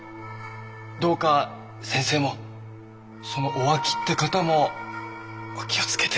どうか先生もそのおあきって方もお気を付けて。